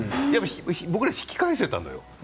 僕ら引き返せたのよ。